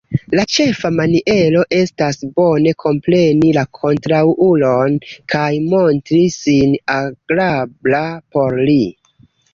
La ĉefa maniero estas bone kompreni la kontraŭulon kaj montri sin agrabla por li.